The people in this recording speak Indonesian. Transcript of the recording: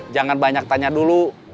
jangan banyak tanya dulu